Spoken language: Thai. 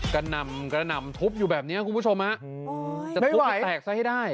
กระนำทุบอยู่แบบนี้คุณผู้ชมฮะจะทุบแตกใส่ให้ได้